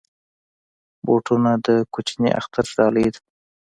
بوټونه د کوچني اختر ډالۍ ده.